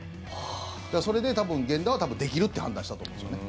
それで多分、源田はできるって判断したと思うんですよね。